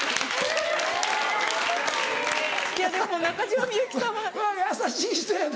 でも中島みゆきさんは。は優しい人やな。